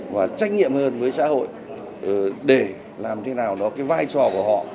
và trách nhiệm hơn với xã hội để làm thế nào đó cái vai trò của họ